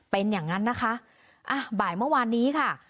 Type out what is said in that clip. เป็นอย่างนั้นนะคะอ่ะบ่ายเมื่อวานนี้ค่ะ